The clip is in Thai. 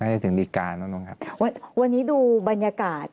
น่าจะถึงดีการแล้วนึงครับวันวันนี้ดูบรรยากาศ